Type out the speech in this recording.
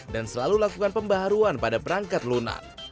dan selalu lakukan pembaruan pada perangkat lunak